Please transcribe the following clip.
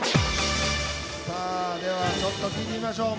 さあではちょっと聞いてみましょう。